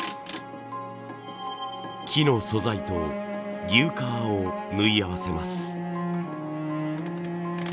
木の素材と牛革を縫い合わせます。